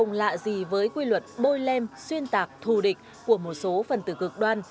không lạ gì với quy luật bôi lem xuyên tạc thù địch của một số phần tử cực đoan